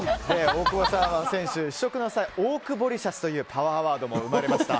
大久保さんは試食の際オオクボリシャスというパワーワードも生まれました。